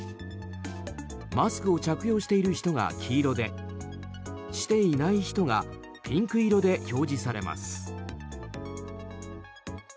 マスクを着用している人が黄色でしていない人がピンク色で表示されます。